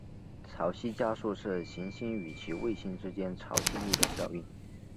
潮汐加速是行星与其卫星之间潮汐力的效应。